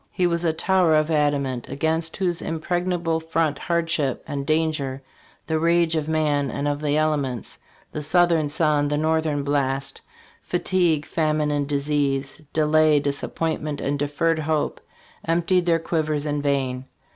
He was a tower of adamant, against whose impregna ble front hardship and danger, the rage of man and of the elements, the southern sun, the north ern blast, fatigue, famine and disease, delay, dis appointment and deferred hope emptied their quivers in vain.